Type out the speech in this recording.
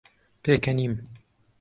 پێکەنیم.